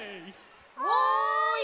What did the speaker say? ・おい！